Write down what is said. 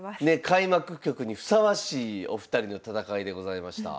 開幕局にふさわしいお二人の戦いでございました。